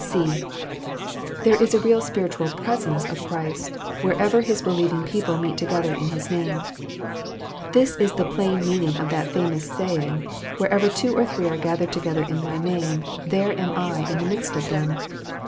(c) There is a real spiritual " presence " of Christ wherever His believing people meet together in His name. This is the plain meaning of that famous saying, " Wherever two or three are gathered together in My name, there am I in thejnidst of them."